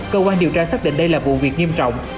cơ quan điều tra xác định đây là vụ việc nghiêm trọng